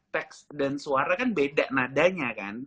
teks dan suara kan beda nadanya kan